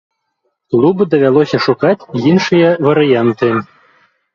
Клубу давялося шукаць іншыя варыянты.